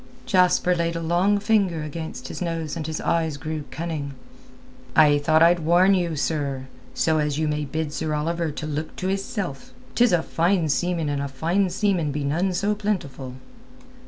Jasper laid a long finger against his nose and his eyes grew cunning. "I thought I'd warn you, sir, so as you may bid Sir Oliver look to hisself. 'Tis a fine seaman and fine seamen be none so plentiful."